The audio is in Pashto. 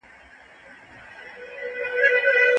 او ورو ورو یې له ښاري، رسمي او ذهني فضا څخه شړل دي.